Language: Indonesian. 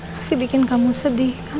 masih bikin kamu sedih kan